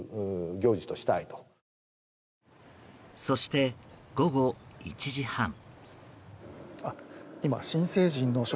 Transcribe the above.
そして午後１時半。